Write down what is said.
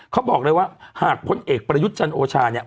เขาบอกเลยว่าหากพลเอกประยุทธ์จันโอชาเนี่ย